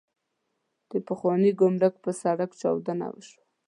د پخواني ګمرک پر سړک چاودنه وشوه.